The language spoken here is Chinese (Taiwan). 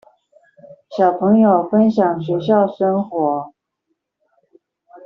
小朋友分享學校生活